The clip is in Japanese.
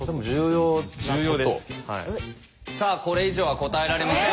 さあこれ以上は答えられません。